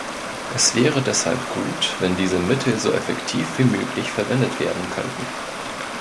Es wäre deshalb gut, wenn diese Mittel so effektiv wie möglich verwendet werden könnten.